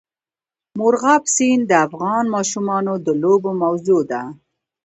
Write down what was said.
مورغاب سیند د افغان ماشومانو د لوبو موضوع ده.